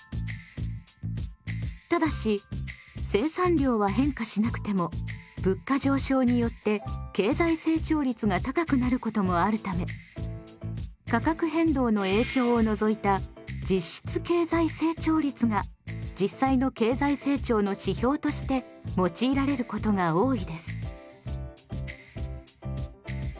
ただし生産量は変化しなくても物価上昇によって経済成長率が高くなることもあるため価格変動の影響を除いた実質経済成長率が実際の経済成長の指標として用いられることが多いです。